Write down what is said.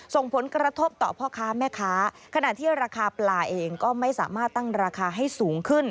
ส่งผลกระทบต่อพ่อค้าแม่ค้าขณะที่ราคาปลาเองก็ไม่สามารถตั้งราคาให้สูงขึ้น